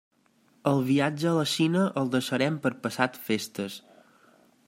El viatge a la Xina el deixarem per passat festes.